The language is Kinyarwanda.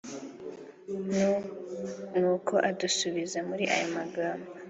nuko adusubiza muri aya magambo